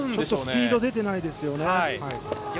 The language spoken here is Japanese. ちょっとスピードが出てないですよね。